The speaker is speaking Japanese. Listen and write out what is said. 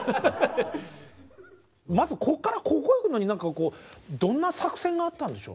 まずここからここ行くのにどんな作戦があったんでしょう？